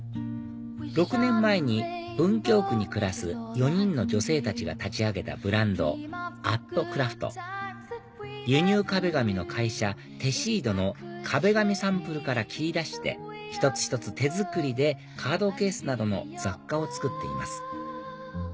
６年前に文京区に暮らす４人の女性たちが立ち上げたブランド＠ｃｒａｆｔ輸入壁紙の会社テシードの壁紙サンプルから切り出して一つ一つ手作りでカードケースなどの雑貨を作っています